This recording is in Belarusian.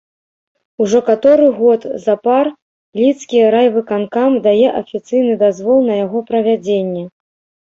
Ужо каторы год запар лідскі райвыканкам дае афіцыйны дазвол на яго правядзенне.